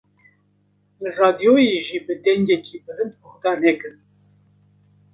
Li radyoyê jî bi dengekî bilind guhdar nekin.